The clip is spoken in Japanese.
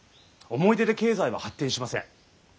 思い出で経済は発展しません。